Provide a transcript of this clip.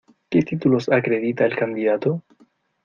¿Qué títulos acredita el candidato?